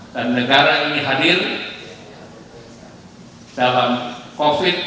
dan negara ini hadir dalam covid sembilan belas